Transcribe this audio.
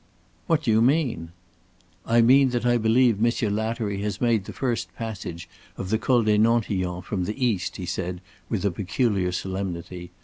"What do you mean?" "I mean that I believe Monsieur Lattery has made the first passage of the Col des Nantillons from the east," he said, with a peculiar solemnity.